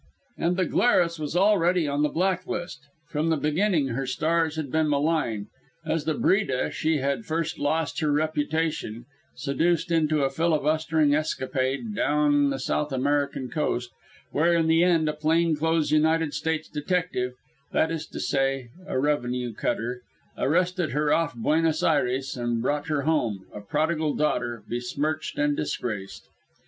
And the Glarus was already on the black list. From the beginning her stars had been malign. As the Breda, she had first lost her reputation, seduced into a filibustering escapade down the South American coast, where in the end a plain clothes United States detective that is to say, a revenue cutter arrested her off Buenos Ayres and brought her home, a prodigal daughter, besmirched and disgraced.